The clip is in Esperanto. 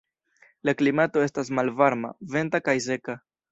La klimato estas malvarma, venta kaj seka.